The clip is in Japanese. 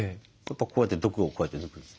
こうやって毒をこうやって抜くんです。